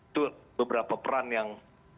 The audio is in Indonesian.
itu beberapa peran yang